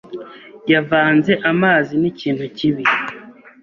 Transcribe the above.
Yavanze amazi n'ikintu kibi.